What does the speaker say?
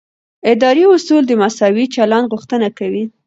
اداري اصول د مساوي چلند غوښتنه کوي.